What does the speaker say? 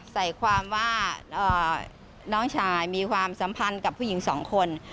ใส่ความว่าน้องชายมีความสัมพันธ์กับผู้หญิงสองคน